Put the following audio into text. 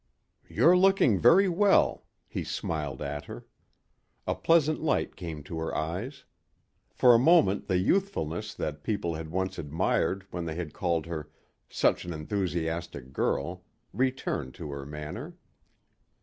"You're looking very well," he smiled at her. A pleasant light came to her eyes. For a moment the youthfulness that people had once admired when they had called her "such an enthusiastic girl" returned to her manner.